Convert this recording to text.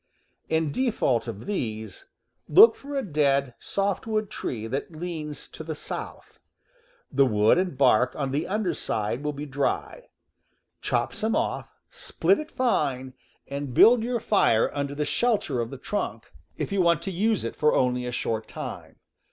In default of these, look for a dead softwood tree that leans to the south. The wood and bark on the under side will be dry — chop some off, split it fine, and build your fire under the shelter of the trunk, if you want to 88 CAMPING AND WOODCRAFT use it for only a short time.